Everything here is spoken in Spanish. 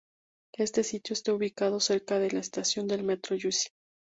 Este sitio está ubicado cerca de la estación de metro Jussieu.